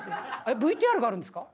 ＶＴＲがあるんですか？